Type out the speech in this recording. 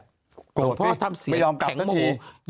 หลวงพ่อทำเสียงแข็งโมโห